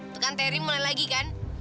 tuh kan teri mulai lagi kan